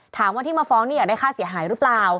ถามว่าที่มาฟ้องนี่อยากได้ค่าเสียหายหรือเปล่า